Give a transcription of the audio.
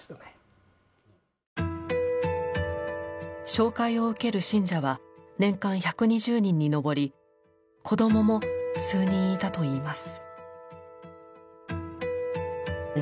紹介を受ける信者は年間１２０人に上り子供も数人いたといいます。